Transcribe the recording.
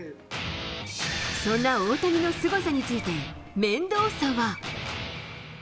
そんな大谷のすごさについて、メンドーサは。